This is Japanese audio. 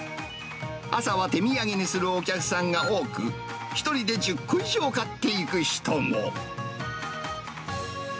朝は手土産にするお客さんが多く、１人で１０個以上買っていく人も。